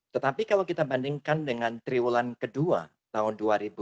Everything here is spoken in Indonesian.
tetapi kalau kita bandingkan dengan triwulan kedua tahun dua ribu dua puluh